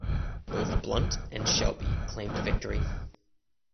Both Blunt and Shelby claimed victory.